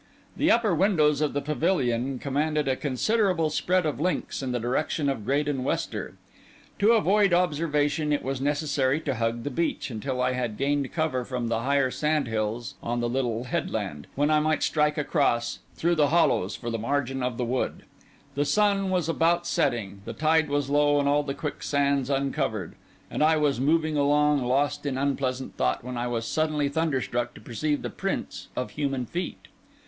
The upper windows of the pavilion commanded a considerable spread of links in the direction of Graden Wester. To avoid observation, it was necessary to hug the beach until I had gained cover from the higher sand hills on the little headland, when I might strike across, through the hollows, for the margin of the wood. The sun was about setting; the tide was low, and all the quicksands uncovered; and I was moving along, lost in unpleasant thought, when I was suddenly thunderstruck to perceive the prints of human feet.